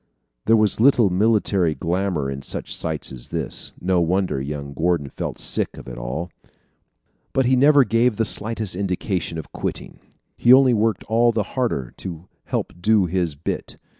There was little military glamor in such sights as this. No wonder, young Gordon felt sick of it all. But he never gave the slightest indication of quitting. He only worked all the harder to help do his bit.